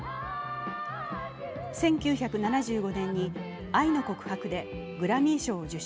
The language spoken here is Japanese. １９７５年に「愛の告白」でグラミー賞を受賞。